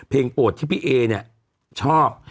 เพลงโปรดที่พี่เอ๊ชอบ